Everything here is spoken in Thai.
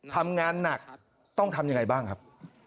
ทำงานหนักต้องทำยังไงบ้างครับ